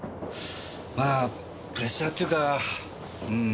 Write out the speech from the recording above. まあプレッシャーっていうかうん。